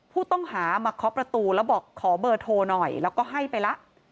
ผู้ต้องหามาเคาะประตูแล้วบอกขอเบอร์โทรหน่อยแล้วก็ให้ไปละ